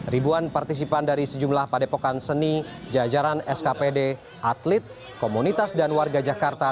ribuan partisipan dari sejumlah padepokan seni jajaran skpd atlet komunitas dan warga jakarta